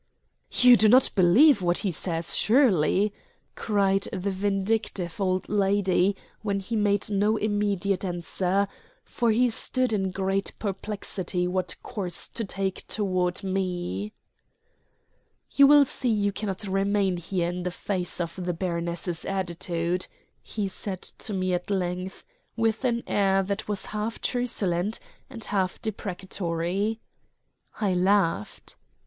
"You do not believe what he says, surely?" cried the vindictive old lady when he made no immediate answer, for he stood in great perplexity what course to take toward me. "You will see you cannot remain here in the face of the baroness's attitude," he said to me at length, with an air that was half truculent and half deprecatory. I laughed.